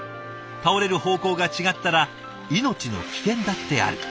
倒れる方向が違ったら命の危険だってある。